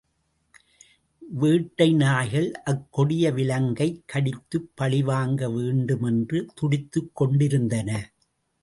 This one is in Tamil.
வேட்டைநாய்கள் அக்கொடிய விலங்கைக் கடித்துப் பழி வாங்க வேண்டுமென்று துடித்துக்கொண்டிருந்தன.